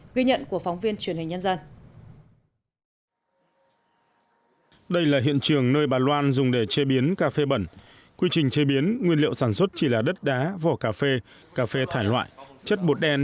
ghi nhận của phóng viên truyền hình nhân dân